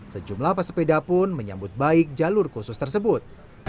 sejumlah pesepeda pun menyambut baik jalur khusus tersebut